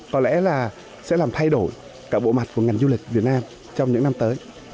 có lẽ là sẽ làm thay đổi cả bộ mặt của ngành du lịch việt nam trong những năm tới